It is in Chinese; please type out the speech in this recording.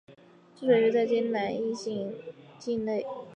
治所约在今越南乂安省南坛县境内。